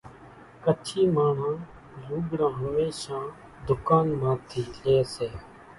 ڪڇي ماڻۿان لوڳڙان ھميشان ڌُڪان مان ٿي لئي سي